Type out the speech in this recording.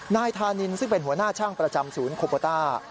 นายธานินซึ่งเป็นหัวหน้าช่างประจำศูนย์โคโบต้า